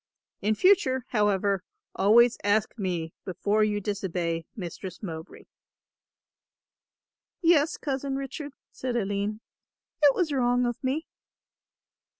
In future, however, always ask me before you disobey Mistress Mowbray." "Yes, Cousin Richard," said Aline, "it was wrong of me."